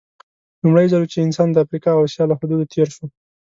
لومړی ځل و چې انسان د افریقا او اسیا له حدودو تېر شو.